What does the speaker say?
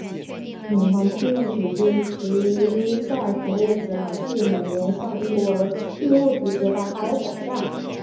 女皇志愿组织慈善服务奖是每年向英国义务组织颁发的奖项。